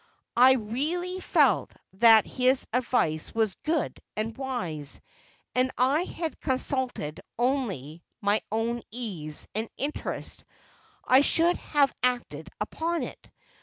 I really felt that his advice was good and wise, and had I consulted only my own ease and interest I should have acted upon it.